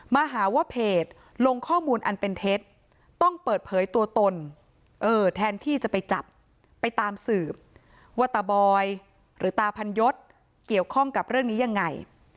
มาหาว่าเพจลงข้อมูลอันเป็นเท็จต้องเปิดเผยตัวตนเออแทนที่จะไปจับไปตามสืบว่าตาบอยหรือตาพันยศเกี่ยวข้องกับเรื่องนี้ยังไง